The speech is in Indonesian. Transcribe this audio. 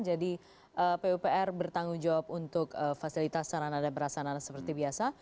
jadi pupr bertanggung jawab untuk fasilitas sarana dan perasanan seperti biasa